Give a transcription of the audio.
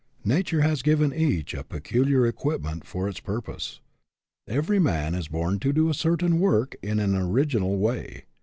Nature has given each a peculiar equipment for its purpose. Every man is born to do a certain work in an original way.